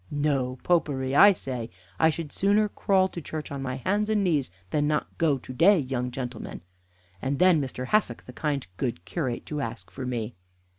No Popery, I say! I would sooner crawl to church on my hands and knees than not go to day, young gentlemen. And then Mr. Hassock, the kind, good curate, to ask for me!"